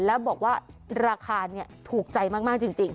แล้วบอกว่าราคาถูกใจมากจริง